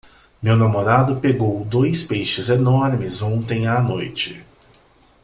Meu namorado pegou dois peixes enormes ontem à noite.